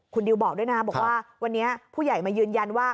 คุณดิวบอกด้วยนะบอกว่าวันนี้ผู้ใหญ่มายืนยันว่า